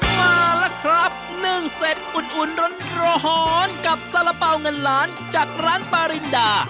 มาแล้วครับนึ่งเสร็จอุ่นร้อนกับสาระเป๋าเงินล้านจากร้านปารินดา